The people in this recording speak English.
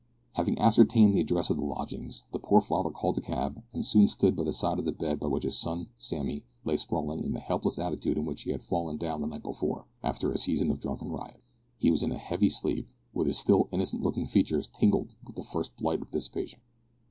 Having ascertained the address of the lodgings, the poor father called a cab and soon stood by the side of a bed on which his son Sammy lay sprawling in the helpless attitude in which he had fallen down the night before, after a season of drunken riot. He was in a heavy sleep, with his still innocent looking features tinged with the first blight of dissipation.